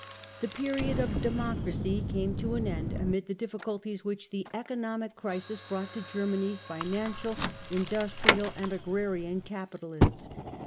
The period of " democracy ,5 came to an end amid the difficulties which the economic crisis brought to Germany's financial, industrial and agrarian capitalists.